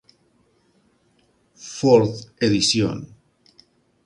Fourth Edición.